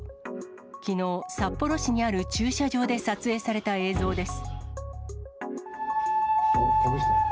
きのう、札幌市にある駐車場で撮影された映像です。